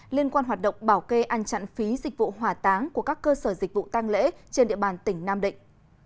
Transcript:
liên quan hoạt động bảo kê ăn chặn phí dịch vụ hỏa táng của các cơ sở dịch vụ tăng lễ trên địa bàn tỉnh nam định